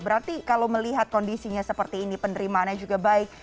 berarti kalau melihat kondisinya seperti ini penerimaannya juga baik